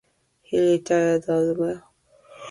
He retired as a Major.